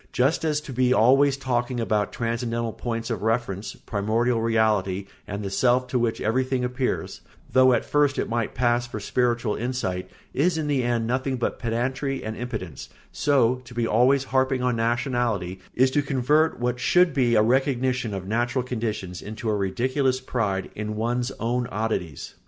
Just as to be always talking about transcendental points of reference, primordial reality, and the self to which everything appears, though at first it might pass for spiritual insight, is in the end nothing but pedantry and impotence, so to be always harping on nationality is to convert what should be a recognition of natural conditions into a ridiculous pride in one's own oddities.